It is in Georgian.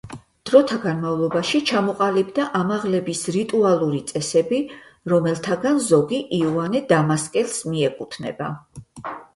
დროთა განმავლობაში ჩამოყალიბდა ამაღლების რიტუალური წესები, რომელთაგან ზოგი იოანე დამასკელს მიეკუთვნება.